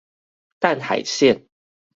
淡海線